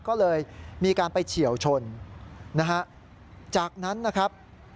ก็เลยมีการไปเฉียวชนนะฮะจากนั้นนะครับ